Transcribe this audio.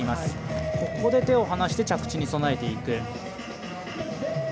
ここで手を離して着地に備えていく。